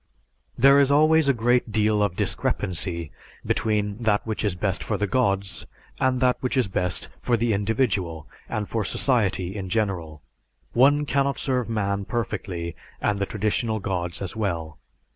'" There is always a great deal of discrepancy between that which is best for the gods and that which is best for the individual and for society in general. One cannot serve man perfectly and the traditional gods as well.